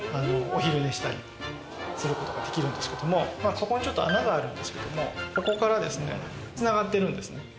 ここにちょっと穴があるんですけどもここからですねつながってるんですね。